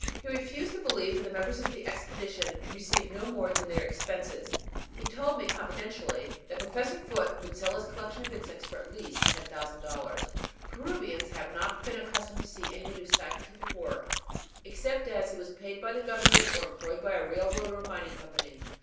He refused to believe that the members of the Expedition received no more than their expenses. He told me confidentially that Professor Foote would sell his collection of insects for at least $10,000! Peruvians have not been accustomed to see any one do scientific work except as he was paid by the government or employed by a railroad or mining company.